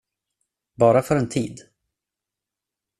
Bara för en tid.